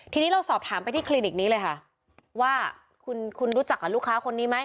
ทีนี้เราสอบถามไปที่คลินิกนี้เลยค่ะว่าคุณคุณรู้จักกับลูกค้าคนนี้ไหม